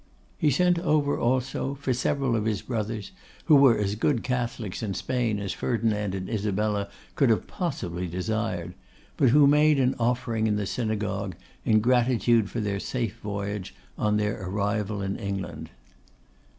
He sent over, also, for several of his brothers, who were as good Catholics in Spain as Ferdinand and Isabella could have possibly desired, but who made an offering in the synagogue, in gratitude for their safe voyage, on their arrival in England.